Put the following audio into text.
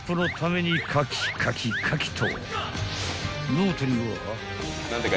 ［ノートには］